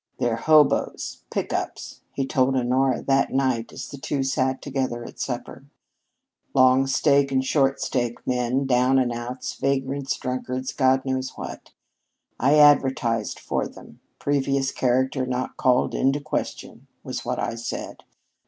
"They're hoboes pick ups," he told Honora that night as the two sat together at supper. "Long stake and short stake men down and outs vagrants drunkards, God knows what. I advertised for them. 'Previous character not called into question,' was what I said.